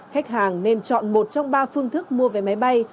khách hàng nên chọn một trong ba phương thức mua vé máy bay